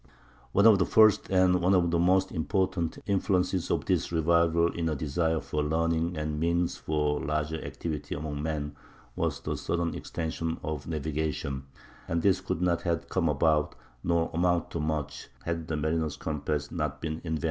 One of the first and one of the most important influences of this revival in a desire for learning and the means for larger activity among men was the sudden extension of navigation; and this could not have come about, nor amounted to much, had the mariner's compass not been invented.